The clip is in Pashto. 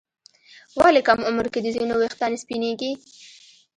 ولې کم عمر کې د ځینو ويښتان سپینېږي؟